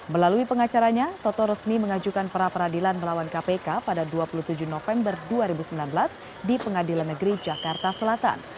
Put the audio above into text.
melalui pengacaranya toto resmi mengajukan pra peradilan melawan kpk pada dua puluh tujuh november dua ribu sembilan belas di pengadilan negeri jakarta selatan